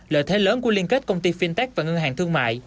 lợi thế lớn của liên kết công ty fintech và ngân hàng thương mại